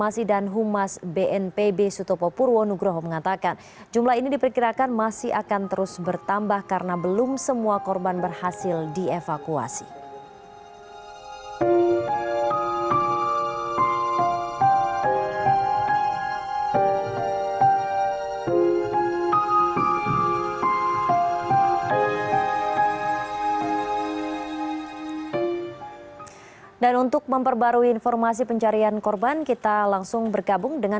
selamat malam anda